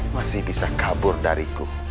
masih bisa kabur dariku